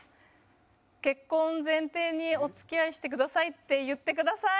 「結婚を前提にお付き合いしてください」って言ってください！